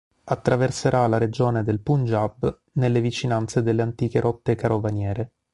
Attraverserà la regione del Punjab nelle vicinanze delle antiche rotte carovaniere.